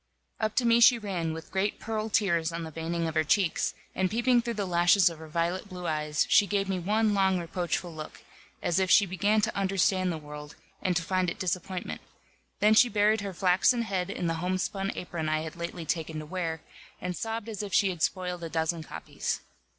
Up to me she ran, with great pearl tears on the veining of her cheeks, and peeping through the lashes of her violet blue eyes, she gave me one long reproachful look, as if she began to understand the world, and to find it disappointment; then she buried her flaxen head in the homespun apron I had lately taken to wear, and sobbed as if she had spoiled a dozen copies.